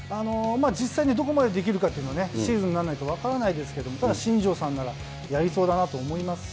実際、どこまでできるかっていうのは、シーズンになんないと分からないですけれども、ただ、新庄さんならやりそうだなと思いますし。